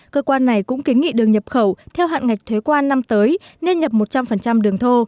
cơ quan này cũng kiến nghị đường nhập khẩu theo hạn ngạch thuế quan năm tới nên nhập một trăm linh đường thô